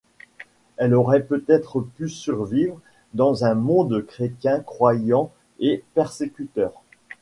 Elle aurait peut-être pu survivre dans un monde chrétien croyant et persécuteur.